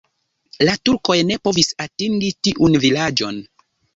La turkoj ne povis atingi tiun vilaĝon.